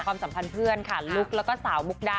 สัมพันธ์เพื่อนค่ะลุ๊กแล้วก็สาวมุกดา